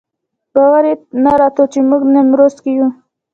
باور یې نه راته چې موږ نیمروز کې یو.